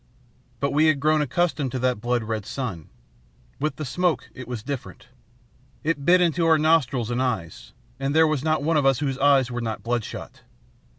But we had grown accustomed to that blood red sun. With the smoke it was different. It bit into our nostrils and eyes, and there was not one of us whose eyes were not bloodshot.